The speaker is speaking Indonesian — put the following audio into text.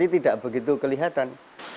tidak begitu kelihatan